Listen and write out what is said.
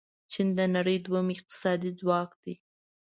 چین د نړۍ دویم اقتصادي ځواک دی.